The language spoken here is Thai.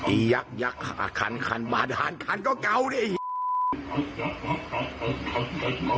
ไอ้ยักษ์ยักษ์คันบาดฮันก็เก่านี่ไอ้